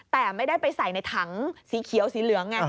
แต่ไม่ได้ไปใส่ในถังสีเขียวสีเหลืองไง